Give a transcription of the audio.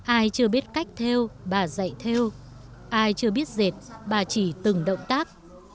ai chưa biết cách theo bà dạy theo ai chưa biết dệt bà chỉ từng động tác